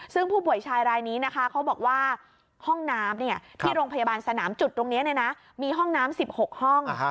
ซึ่งผู้ป่วยชายรายนี้นะคะเขาบอกว่าห้องน้ำที่โรงพยาบาลสนามจุดตรงนี้มีห้องน้ำ๑๖ห้อง